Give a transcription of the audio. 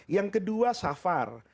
yang kedua safar